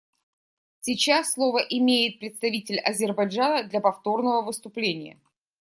Сейчас слово имеет представитель Азербайджана для повторного выступления.